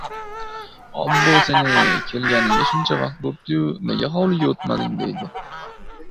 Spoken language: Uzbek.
«Obbo, san-ey, keganingga shuncha bo‘bdi-yu, nega hovliga o‘tmading, — deydi.